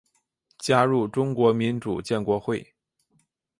加入中国民主建国会。